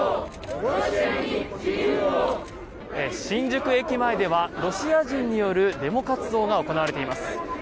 新宿駅前ではロシア人によるデモ活動が行われています。